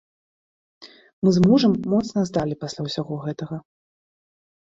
Мы з мужам моцна здалі пасля ўсяго гэтага.